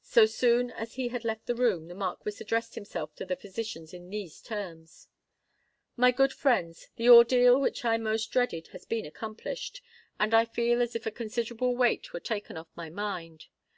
So soon as he had left the room, the Marquis addressed himself to the physicians in these terms:— "My good friends, the ordeal which I most dreaded has been accomplished; and I feel as if a considerable weight were taken off my mind.